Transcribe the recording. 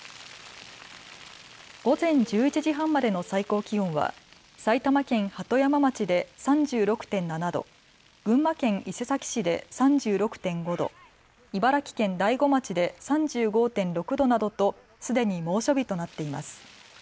午前１１時半までの最高気温は埼玉県鳩山町で３６．７度、群馬県伊勢崎市で３６．５度、茨城県大子町で３５．６度などとすでに猛暑日となっています。